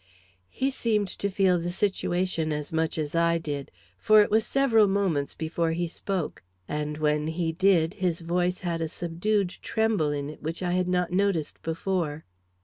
He seemed to feel the situation as much as I did, for it was several moments before he spoke, and when he did, his voice had a subdued tremble in it which I had not noticed before.